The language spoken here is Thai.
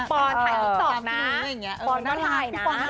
ปอนไถ้อุดตกน้ะพนก็ไถ้น้า